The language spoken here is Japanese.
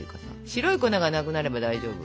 白い粉がなくなれば大丈夫。